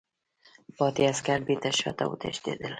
پاتې عسکر بېرته شاته وتښتېدل.